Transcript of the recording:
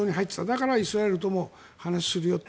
だからイスラエルとも話をするよって。